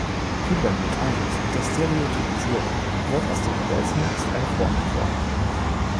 Wie beim Metallguss und der Stereotypisierung wird aus dem Modell zunächst eine Form geformt.